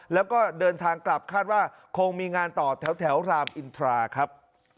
แล้วก็เดินทางกลับคาดว่าคงมีงานต่อแถวรามอินทราครับ